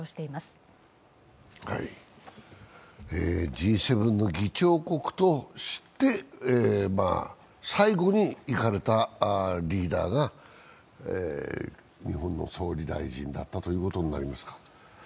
Ｇ７の議長国として最後に行かれたリーダーが日本の総理大臣だったということになりますか。